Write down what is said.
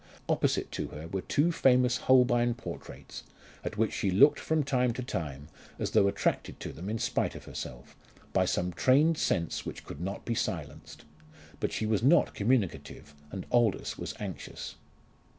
Opposite to her were two famous Holbein portraits, at which she looked from time to time as though attracted to them in spite of herself, by some trained sense which could not be silenced. But she was not communicative, and Aldous was anxious.